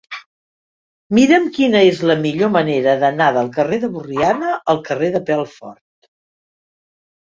Mira'm quina és la millor manera d'anar del carrer de Borriana al carrer de Pelfort.